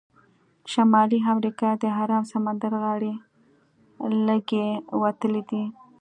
د شمالي امریکا د ارام سمندر غاړې لږې وتلې دي.